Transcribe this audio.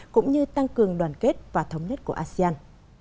cũng như tăng cường đoàn kết và thống nhất của asean